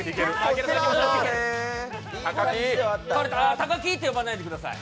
たかきって呼ばないでください。